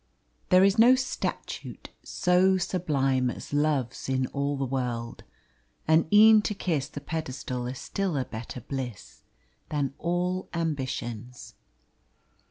There is no statute so sublime As Love's in all the world; and e'en to kiss The pedestal is still a better bliss Than all ambitions.